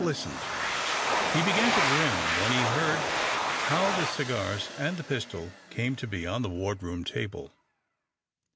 Eph listened. He began to grin when he heard how the cigars and the pistol came to be •on the wardroom table.